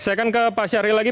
saya akan ke pak syahril lagi